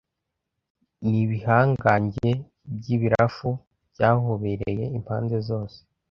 n'ibihangange by'ibarafu byahobeye impande zose